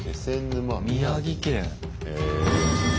宮城県。